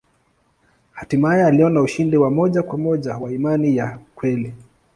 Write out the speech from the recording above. Hatimaye aliona ushindi wa moja kwa moja wa imani ya kweli.